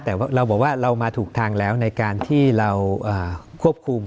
แต่เราบอกว่าเรามาถูกทางแล้วในการที่เราควบคุม